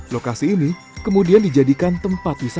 lokasi ini kemudian dijadikan tempat wisata